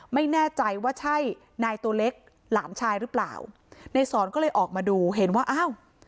ไม่แน่ใจว่าใช่นายตัวเล็กหลานชายหรือเปล่านายสอนก็เลยออกมาดูเห็นว่าอ้าว